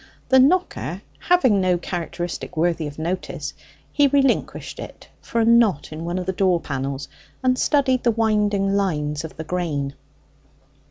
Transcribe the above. The knocker having no characteristic worthy of notice, he relinquished it for a knot in one of the door panels, and studied the winding lines of the grain.